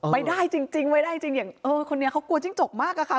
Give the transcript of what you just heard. ไม่ได้จริงอย่างคนนี้เขากลัวจิ้งจกมากอะค่ะ